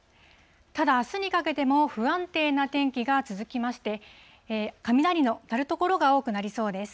ただ、あすにかけても不安定な天気が続きまして、雷の鳴る所が多くなりそうです。